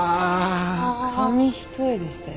紙一重でしたよ。